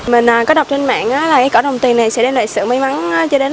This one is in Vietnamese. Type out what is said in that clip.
mình có đọc trên mạng là cái cỏ đồng tiền này sẽ đem lại sự may mắn